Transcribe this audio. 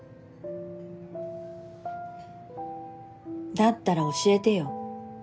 だったら教えてよ。